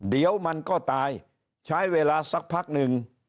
เดี๋ยวมันก็ตายใช้เวลาสักพักหนึ่ง